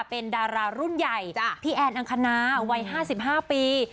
เป็นดารารุ่นใหญ่พี่แอนอังคณาวัย๕๕ปี